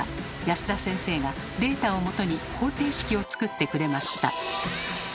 保田先生がデータをもとに方程式を作ってくれました。